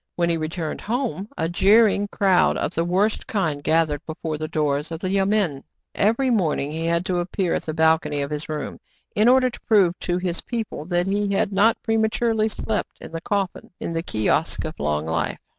When he returned home, a jeering crowd of the worst kind gathered before the doors of the yamen. Every KIN FO BECOMES CELEBRATED, II3 morning he had to appear at the balcony of his room, in order to prove to his people that he had not prematurely slept in the coffin in the kiosk of Long Life.